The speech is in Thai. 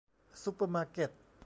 ซุปเปอร์มาร์เกต